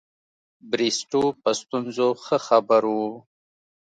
بریسټو په ستونزو ښه خبر وو.